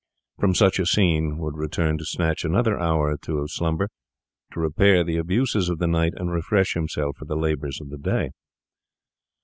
From such a scene he would return to snatch another hour or two of slumber, to repair the abuses of the night, and refresh himself for the labours of the day.